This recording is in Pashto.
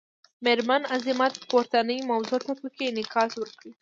میرمن عظمت پورتنۍ موضوع ته پکې انعکاس ورکړی.